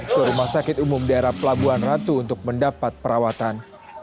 ke rumah sakit umum daerah pelabuhan ratu untuk mendapat perawatan